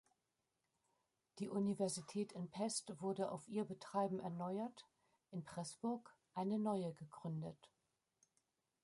Die Universität in Pest wurde auf ihr Betreiben erneuert, in Pressburg eine neue gegründet.